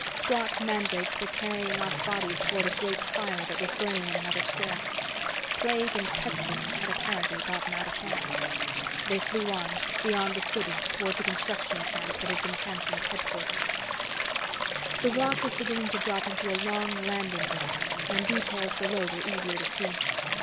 Squat mandrakes were carrying off bodies toward a great fire that was burning in another square. Plague and pestilence had apparently gotten out of hand. They flew on, beyond the city toward the construction camp that had been Hanson's headquarters. The roc was beginning to drop into a long landing glide, and details below were easier to see.